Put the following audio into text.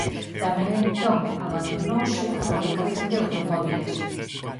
Tamén entón abandonouse a fabricación de automóbiles.